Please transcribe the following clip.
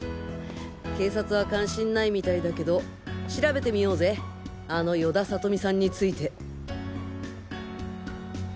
警察は関心ないみたいだけど調べてみようぜあの与田理美さんについて。